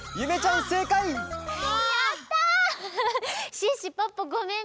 シュッシュポッポごめんね。